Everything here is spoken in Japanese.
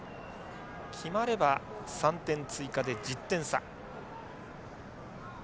決まれば３点追加で１０点差。